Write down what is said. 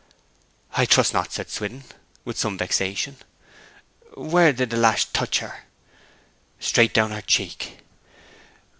'I trust not,' said Swithin, with some vexation. 'Where did the lash touch her?' 'Straight down her cheek.'